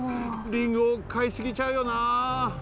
リンゴかいすぎちゃうよな。